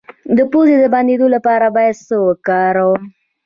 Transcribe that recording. د پوزې د بندیدو لپاره باید څه وکاروم؟